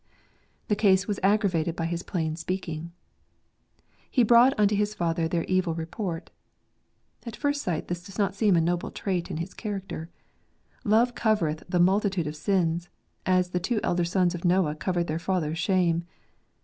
The case was aggravated by his plain speaking. "He brought unto his father their evil report." At first sight this does not seem a noble trait in his character. Love covereth the multitude of sins, as the two elder sons of Noah covered their father's shame.